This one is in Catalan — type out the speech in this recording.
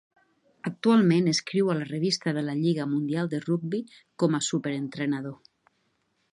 Actualment escriu a la revista de la lliga mundial de rugbi, com a "Súper-entrenador".